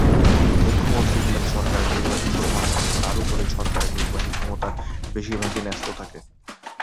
মুখ্যমন্ত্রী হলেন সরকারের নির্বাহী প্রধান এবং তার উপরেই সরকারের নির্বাহী ক্ষমতার বেশিরভাগই ন্যস্ত থাকে।